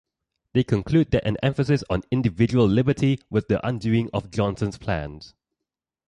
They conclude that an emphasis on individual liberty was the undoing of Johnson's plans.